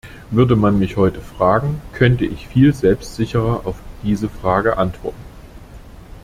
Würde man mich heute fragen, könnte ich viel selbstsicherer auf diese Frage antworten.